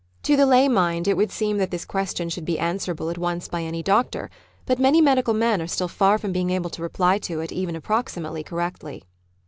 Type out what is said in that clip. To the lay mind it would seem that this question should be answerable at once by any doctor; but many medical men are still far from being able to reply to it even approximately correctly.